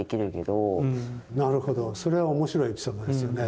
なるほどそれは面白いエピソードですよね。